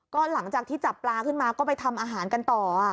ก็หลังจากที่จับปลาขึ้นมาก็ไปทำอาหารกันต่อ